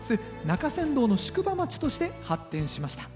中山道の宿場町として発展しました。